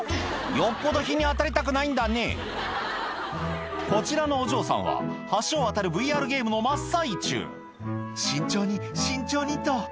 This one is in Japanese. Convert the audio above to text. よっぽど日に当たりたくないんだねこちらのお嬢さんは橋を渡るＶＲゲームの真っ最中「慎重に慎重にっと」